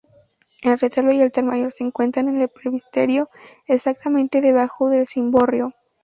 El retablo y altar mayor se encuentran en el presbiterio, exactamente debajo del cimborrio.